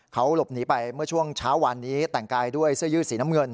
เขาหลบหนีไปเมื่อช่วงเช้าวันนี้แต่งกายด้วยเสื้อยืดสีน้ำเงิน